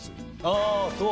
ああそう。